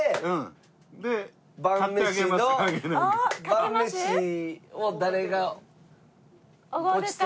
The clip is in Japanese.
晩飯を誰が。